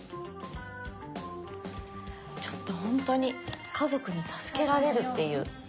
ちょっとほんとに家族に助けられるっていう。